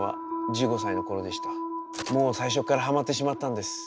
もう最初からはまってしまったんです。